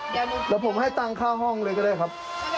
เดี๋ยวผมให้ตังค่าห้องเลยก็ได้ครับ